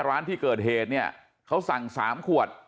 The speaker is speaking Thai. ร้านที่เกิดเหตุเนี่ยเขาสั่ง๓ขวด